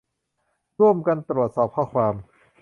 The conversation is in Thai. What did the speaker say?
ร่วมกันตรวจสอบข้อความ